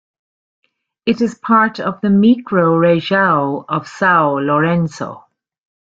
It is part of the microrregião of São Lourenço.